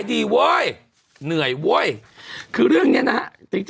ฉันเป็นพิธีกรชั้นต่ำด้วย